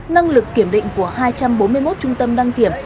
năng lực kiểm định của hai trăm bốn mươi một trung tâm đăng kiểm